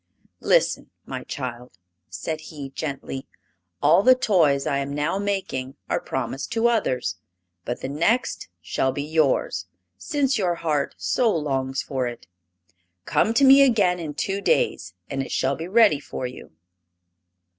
"Listen, my child," said he, gently; "all the toys I am now making are promised to others. But the next shall be yours, since your heart so longs for it. Come to me again in two days and it shall be ready for you."